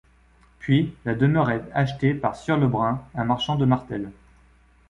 Puis, la demeure est achetée par Sieur Lebrun, un marchand de Martel.